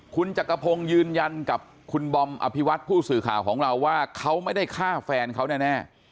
คุณจักรพงศ์ยืนยันกับคุณบอมอภิวัตผู้สื่อข่าวของเราว่าเขาไม่ได้ฆ่าแฟนเขาแน่